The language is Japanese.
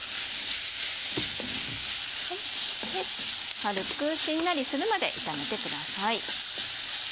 軽くしんなりするまで炒めてください。